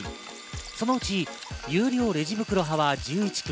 そのうち有料レジ袋派は１１組。